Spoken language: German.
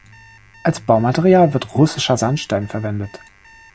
Als Baumaterial wird russischer Sandstein verwendet.